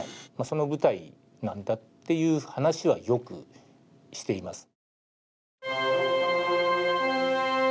そんな部隊なんだっていう話はよくしています